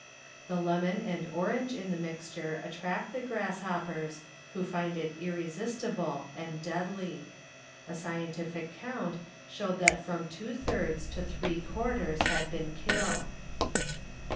The lemon and orange in the mixture attract the grasshoppers, who find it irresistible and deadly, A scientific count showed that from two thirds to three quarters had been killed.